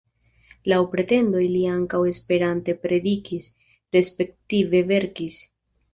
Laŭ pretendoj li ankaŭ Esperante predikis, respektive verkis.